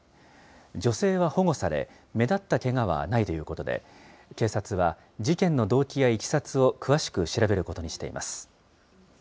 女性は保護され、目立ったけがはないということで、警察は、事件の動機やいきさつを詳しく調べることにしています。